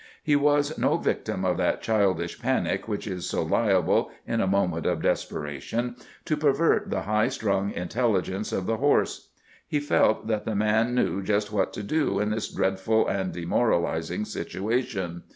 He was no victim of that childish panic which is so liable, in a moment of desperation, to pervert the high strung intelligence of the horse. He felt that the man knew just what to do in this dreadful and demoralizing situation.